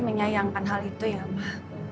menyayangkan hal itu ya mbak